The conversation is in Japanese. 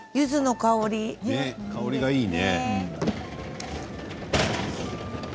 香りがいいね。